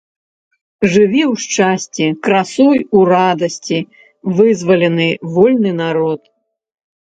Жыві ў шчасці, красуй у радасці, вызвалены, вольны народ!